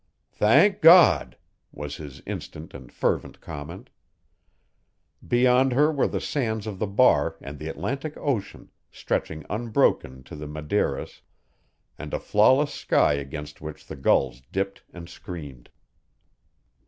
"Thank God!" was his instant and fervent comment. Beyond her were the sands of the bar and the Atlantic Ocean stretching unbroken to the Madeiras and a flawless sky against which the gulls dipped and screamed.